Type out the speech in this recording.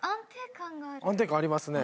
安定感ありますね。